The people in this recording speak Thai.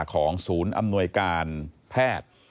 ของศูนย์อำนวยการแพทย์